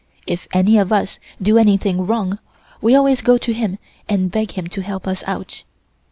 If any of us do anything wrong, we always go to him and beg him to help us out.